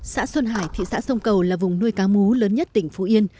xã xuân hải thị xã sông cầu là vùng nuôi cá mú lớn nhất tỉnh phú yên